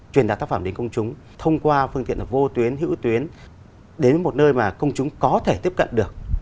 truyền đạt tác phẩm đến công chúng thông qua phương tiện vô tuyến hữu tuyến đến một nơi mà công chúng có thể tiếp cận được